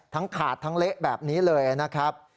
ขาดทั้งเละแบบนี้เลยนะครับ